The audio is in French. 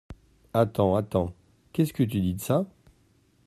Attends, attends, qu’est-ce que tu dis de ça ?